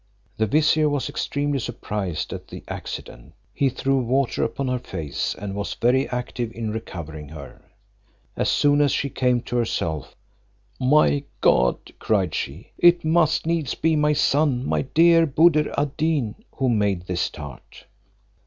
The vizier was extremely surprised at the accident; he threw water upon her face, and was very active in recovering her. As soon as she came to herself, "My God!" cried she, "it must needs be my son, my dear Buddir ad Deen who made this tart."